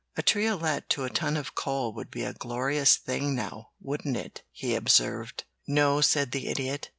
"A triolet to a ton of coal would be a glorious thing now, wouldn't it?" he observed. "No," said the Idiot.